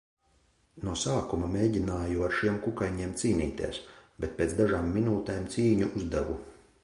No sākuma mēģināju ar šiem kukaiņiem cīnīties, bet pēc dažām minūtēm cīņu uzdevu.